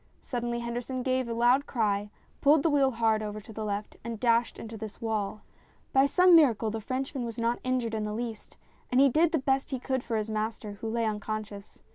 Suddenly Henderson gave a loud cry, pulled the wheel hard over to the left, and dashed into this wall. By some miracle the Frenchman was not injured in the least, and he did the best he could for his master, who lay unconscious.